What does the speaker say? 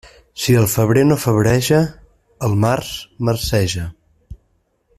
Si el febrer no febreja, el març marceja.